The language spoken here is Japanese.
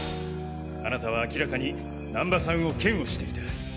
あなたは明らかに難波さんを嫌悪していた。